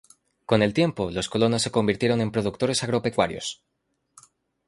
Con el tiempo, los colonos se convirtieron en productores agropecuarios.